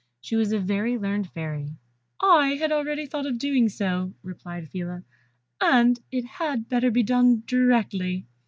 She was a very learned Fairy. "I had already thought of doing so," replied Phila, "and it had better be done directly."